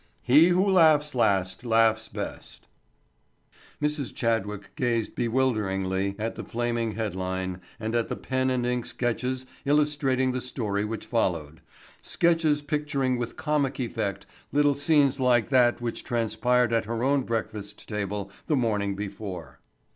–––– HE WHO LAUGHS LAST LAUGHS BEST Mrs. Chadwick gazed bewilderingly at the flaming headline and at the pen and ink sketches illustrating the story which followed—sketches picturing with comic effect little scenes like that which transpired at her own breakfast table the morning before.